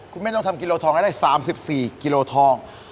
คุณแม่ต้องทำกิโลทองให้ได้๓๔กิโลทอง